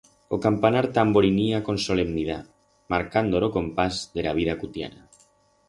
O campanar tamborinía con solemnidat, marcando ro compás de ra vida cutiana.